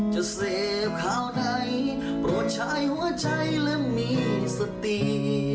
จะเสพข่าวไหนต้องใช้หัวใจและมีเศรษฐี